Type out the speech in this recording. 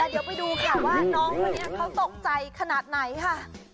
เดี๋ยวไปดูค่ะว่าน้องคนนี้เขาตกใจขนาดไหนค่ะ